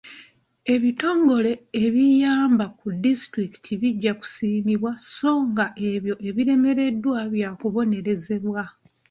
Ebitongole ebiyamba ku disitulikiti bijja kusiimibwa so nga ebyo ebiremereddwa bya kubonerezebwa.